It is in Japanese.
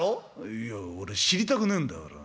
「いや俺知りたくねえんだから。